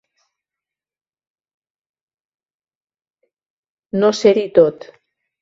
No ser-hi tot.